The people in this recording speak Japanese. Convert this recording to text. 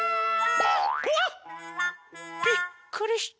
うわっびっくりした。